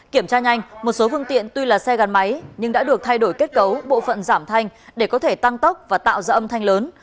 kiểm tra nhanh một số phương tiện tuy là xe gắn máy nhưng đã được thay đổi kết cấu bộ phận giảm thanh để có thể tăng tốc và tạo ra âm thanh lớn